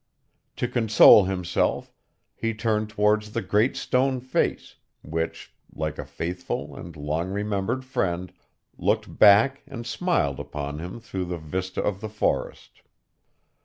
To console himself, he turned towards the Great Stone Face, which, like a faithful and long remembered friend, looked back and smiled upon him through the vista of the forest.